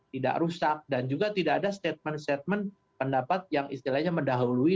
tidak rusak dan juga tidak ada statement statement pendapat yang istilahnya mendahului